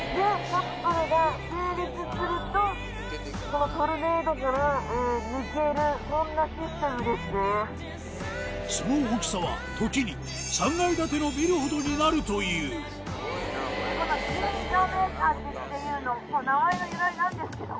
その大きさは時に３階建てのビルほどになるというスゴいなこれ。